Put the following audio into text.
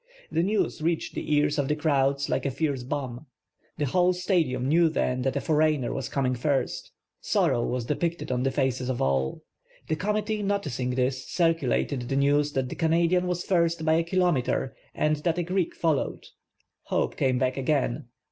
The news reached the ears of the crowds like a fierce bomb. The whole Stadium knew then that a foreigner was coming first. Sorrow ‚ô¶/a.s depicted on the faces of all The committee noticing this, circulated the news that the Canadian was first by a kilometer and that a Greek followed. Hope came back again.